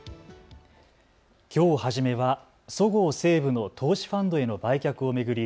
きょう初めはそごう・西武の投資ファンドへの売却を巡り